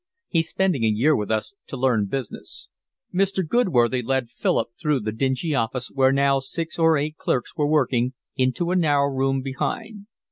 He's spending a year with us to learn business." Mr. Goodworthy led Philip through the dingy office, where now six or eight clerks were working, into a narrow room behind.